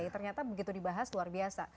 ternyata begitu dibahas luar biasa